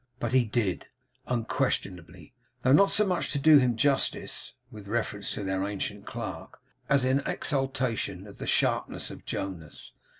But he did, unquestionably; though not so much to do him justice with reference to their ancient clerk, as in exultation at the sharpness of Jonas.